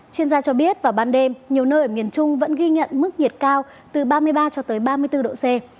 chuyên gia cho biết vào ban đêm nhiều nơi ở miền trung vẫn ghi nhận mức nhiệt cao từ ba mươi ba cho tới ba mươi bốn độ c